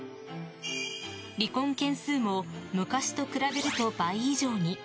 離婚件数も昔と比べると倍以上に。